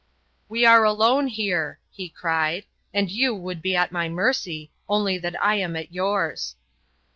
"We are alone here," he cried, "and you would be at my mercy, only that I am at yours."